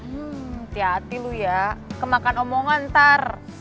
hmm hati hati lu ya kemakan omongan ntar